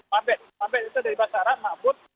mabed itu dari bahasa arab makbud